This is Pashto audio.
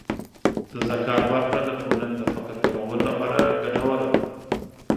د زکات ورکړه د ټولنې د فقر کمولو لپاره ګټوره ده.